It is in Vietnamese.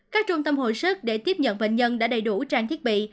các trung tâm hồi sức để tiếp nhận bệnh nhân đã đầy đủ trang thiết bị